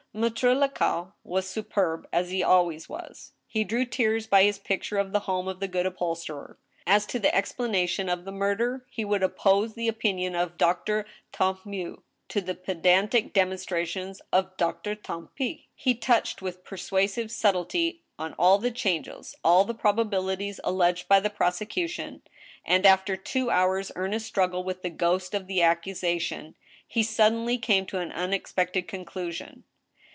Mattre Lacaille was superb, as he always was. He drew tears by his picture of the home of the good upholsterer. As tb the ex planation of the murder, he would oppose the opinion of Doctor Tant mieux to the pedantic demonstrations of Doctor Tantpis. He touched with persuasive subtilty on all the changes, all the proba bilities alleged by the prosecution, and, after two hours' earnest struggle with the ghost of the accusation, he suddenly came to an unexpected conclusion.